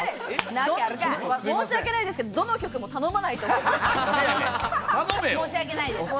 申し訳ないですけれども、どの局も頼まないと思います。